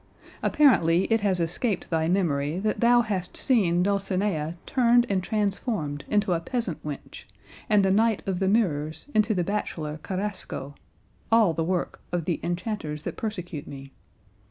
Apparently it has escaped thy memory that thou hast seen Dulcinea turned and transformed into a peasant wench, and the Knight of the Mirrors into the bachelor Carrasco; all the work of the enchanters that persecute me.